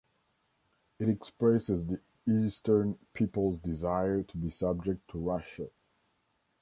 It expresses the eastern peoples’ desire to be subject to Russia.